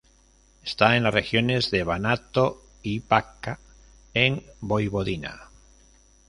Está en las regiones de Banato y Bačka, en Voivodina.